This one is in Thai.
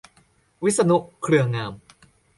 วิษณุ เครืองาม